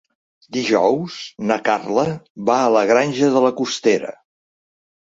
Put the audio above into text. Dijous na Carla va a la Granja de la Costera.